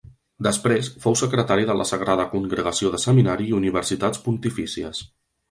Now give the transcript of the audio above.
Després fou secretari de la Sagrada Congregació de Seminari i Universitats Pontifícies.